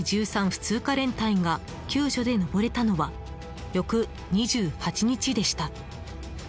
普通科連隊が救助で登れたのは翌２８日でした。